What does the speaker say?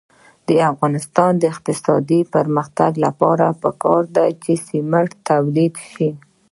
د افغانستان د اقتصادي پرمختګ لپاره پکار ده چې سمنټ تولید شي.